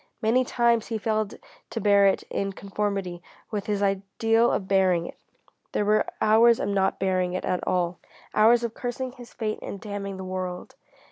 Many times he failed to bear it in conformity with his ideal of bearing it. There were hours of not bearing it at all; hours of cursing his fate and damning the world.